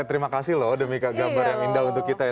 terima kasih loh demi gambar yang indah untuk kita ya